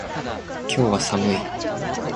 今日は寒い